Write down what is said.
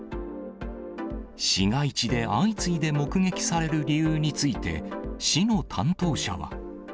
市街地で相次いで目撃される理由について、市の担当者は。